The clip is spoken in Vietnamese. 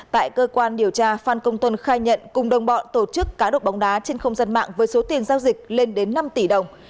tại cơ quan điều tra phan công tuân khai nhận cùng đồng bọn tổ chức cá độ bóng đá trên không gian mạng với số tiền giao dịch lên đến năm tỷ đồng